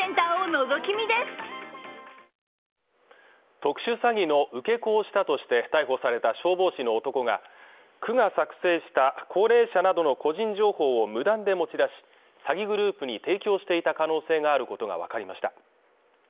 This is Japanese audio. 特殊詐欺の受け子をしたとして逮捕された消防士の男が区が作成した高齢者などの個人情報を無断で持ち出し詐欺グループに提供していた可能性があることが分かりました